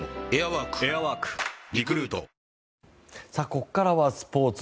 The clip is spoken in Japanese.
ここからはスポーツ。